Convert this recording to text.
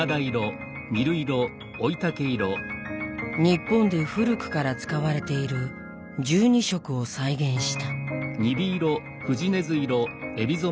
日本で古くから使われている１２色を再現した。